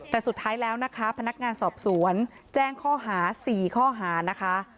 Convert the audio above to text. แต่สุดท้ายแล้วนะคะพนักงานสอบสวนแจ้งข้อหา๔ข้อหานะคะ